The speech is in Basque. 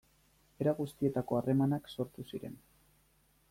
Era guztietako harremanak sortu ziren.